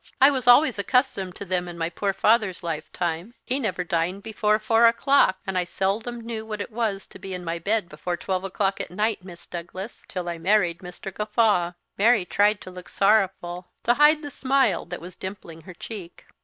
I was always accustomed to them in my poor father's lifetime. He never dined before four o'clock; and I seldom knew what it was to be in my bed before twelve o'clock at night, Miss Douglas, till I married Mr. Gawffaw!" Mary tried to look sorrowful, to hide the smile that was dimpling her cheek.